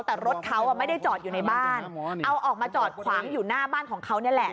แต่รถเขาไม่ได้จอดอยู่ในบ้านเอาออกมาจอดขวางอยู่หน้าบ้านของเขานี่แหละ